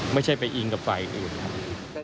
ไม่ใช่ไปอิงกับฝ่ายอีกอาทิตย์